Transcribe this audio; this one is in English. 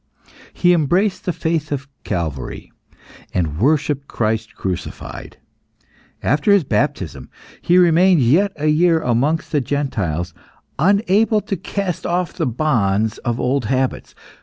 He embraced the faith of Calvary, and worshipped Christ crucified. After his baptism he remained yet a year amongst the Gentiles, unable to cast off the bonds of old habits.